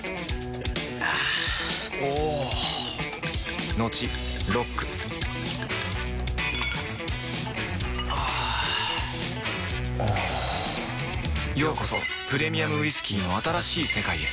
あぁおぉトクトクあぁおぉようこそプレミアムウイスキーの新しい世界へ